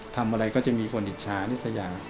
ทำอะไรก็จะมีคนอิจฉานิสยัง